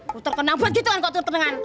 putar ke nampan gitu kan kok tertendangan